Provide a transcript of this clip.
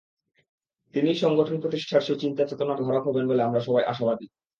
তিনিই সংগঠন প্রতিষ্ঠার সেই চিন্তা-চেতনার ধারক হবেন বলে আমরা সবাই আশাবাদী।